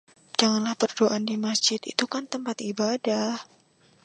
Janganlah berduaan di Masjid, itu kan tempat ibadah..